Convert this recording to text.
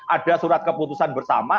ada surat keputusan bersama